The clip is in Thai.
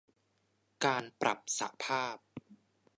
การปรับสภาพ